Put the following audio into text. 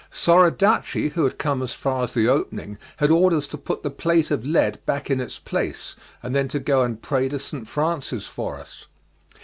Soradaci who had come as far as the opening, had orders to put the plate of lead back in its place, and then to go and pray to St. Francis for us.